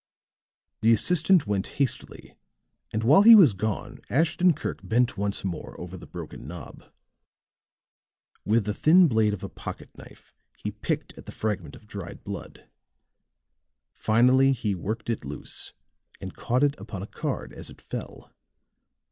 The assistant went hastily, and while he was gone, Ashton Kirk bent once more over the broken knob. With the thin blade of a pocket knife he picked at the fragment of dried blood; finally he worked it loose and caught it upon a card as it fell.